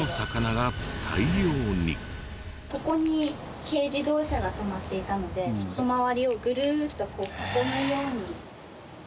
ここに軽自動車が止まっていたので周りをぐるーっと囲むように。